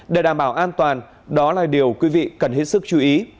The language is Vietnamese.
để đảm bảo an toàn đó là điều quý vị cần hết sức chú ý